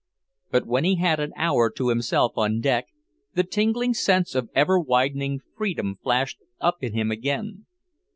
But when he had an hour to himself on deck, the tingling sense of ever widening freedom flashed up in him again.